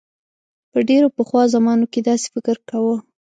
په ډیرو پخوا زمانو کې داسې فکر کاؤ.